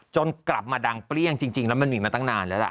จนกลับมาดังเปรี้ยงจริงแล้วมันมีมาตั้งนานแล้วล่ะ